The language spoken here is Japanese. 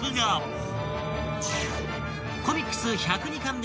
［コミックス１０２巻で描かれた］